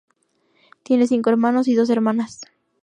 Tiene cinco hermanos y dos hermanas.